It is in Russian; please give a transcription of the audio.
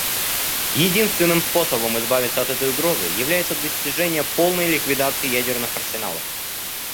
Единственным способом избавиться от этой угрозы является достижение полной ликвидации ядерных арсеналов.